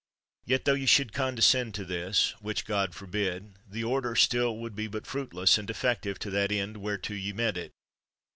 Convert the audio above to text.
Yet tho ye should condescend to this, which God forbid, the order still would be but fruitless and defective to that end whereto ye meant it.